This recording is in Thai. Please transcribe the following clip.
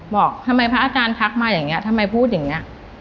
บอกทำไมพระอาจารย์ทักมาอย่างนี้ทำไมพูดอย่างนี้